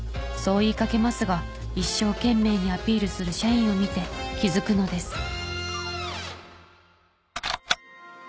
そう言いかけますが一生懸命にアピールする社員を見て気づくのです。